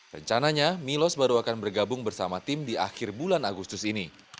rencananya milos baru akan bergabung bersama tim di akhir bulan agustus ini